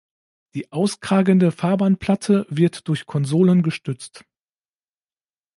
Die auskragende Fahrbahnplatte wird durch Konsolen gestützt.